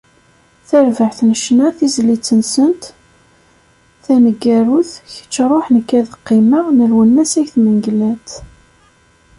Kemmlent-d tullas-nni n terbaɛt n ccna tizlit-nsent taneggarut “Kečč ruḥ, nekk ad qqimeɣ” n Lewnis Ayt Mengellat.